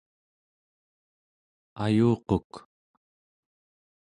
ayuquk